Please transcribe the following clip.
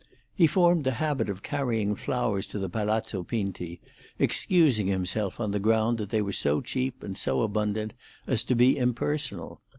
He formed the habit of carrying flowers to the Palazzo Pinti, excusing himself on the ground that they were so cheap and so abundant as to be impersonal.